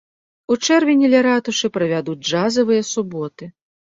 У чэрвені ля ратушы правядуць джазавыя суботы.